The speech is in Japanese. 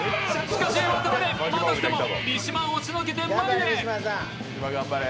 しかし渡辺、またしても三島を押しのけて前へ。